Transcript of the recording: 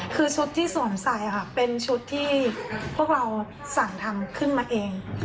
คือชุดที่สวมใส่ค่ะเป็นชุดที่พวกเราสั่งทำขึ้นมาเอง